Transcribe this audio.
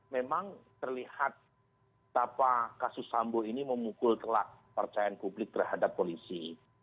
memang terlihat tapa kasus sambo ini memukul telak percayaan publik terhadap polisi